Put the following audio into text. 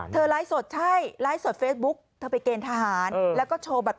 เธอไลก์สด